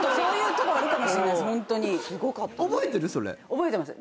覚えてます。